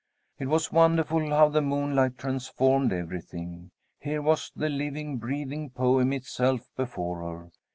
It was wonderful how the moonlight transformed everything. Here was the living, breathing poem itself before her.